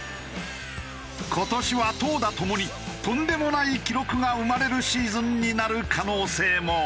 今年は投打ともにとんでもない記録が生まれるシーズンになる可能性も。